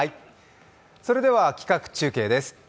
それでは企画中継です。